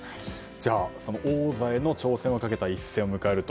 その王座への挑戦をかけた一戦を迎えると。